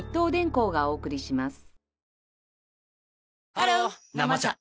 ハロー「生茶」